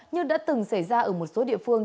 như đã từng xảy ra ở một số địa phương